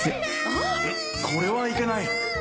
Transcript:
これはいけない